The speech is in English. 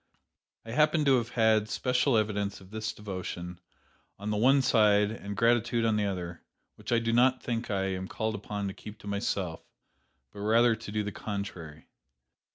I happen to have had special evidence of this devotion on the one side and gratitude on the other, which I do not think I am called upon to keep to myself, but rather to do the contrary.